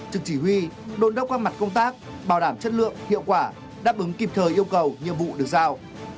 trực chỉ huy đồn đốc các mặt công tác bảo đảm chất lượng hiệu quả đáp ứng kịp thời yêu cầu nhiệm vụ được giao